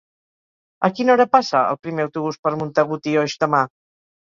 A quina hora passa el primer autobús per Montagut i Oix demà?